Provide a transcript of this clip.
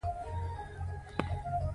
په دنیا کي چي هر څه کتابخانې دي